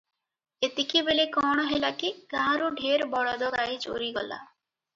ଏତିକିବେଳେ କଣ ହେଲା କି ଗାଁରୁ ଢେର ବଳଦ ଗାଈ ଚୋରି ଗଲା ।